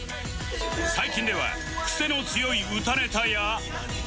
最近ではクセの強い歌ネタや